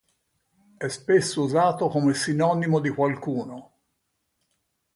È spesso usato come sinonimo di "qualcuno".